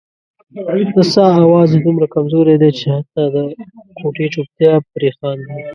د ساه اواز یې دومره کمزوری دی چې حتا د کوټې چوپتیا پرې خاندي.